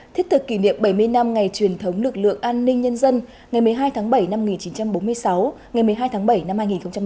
thiết thực kỷ niệm bảy mươi năm ngày truyền thống lực lượng an ninh nhân dân ngày một mươi hai tháng bảy năm một nghìn chín trăm bốn mươi sáu ngày một mươi hai tháng bảy năm hai nghìn một mươi chín